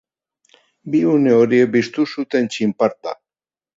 Bi une horiek piztu zuten txinparta.